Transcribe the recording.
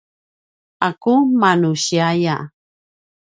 ’aku manusiaya